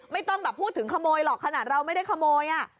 ไม่ต้องแบบพูดถึงขโมยหรอกขนาดเราไม่ได้ขโมย